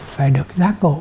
phải được giác cộ